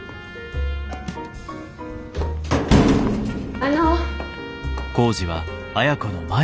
あの。